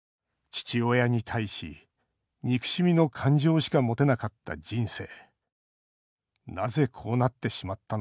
父親に対し、憎しみの感情しか持てなかった人生。